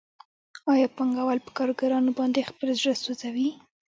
آیا پانګوال په کارګرانو باندې خپل زړه سوځوي